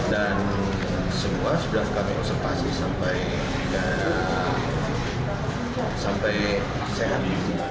dan semua sudah kami konservasi sampai sehat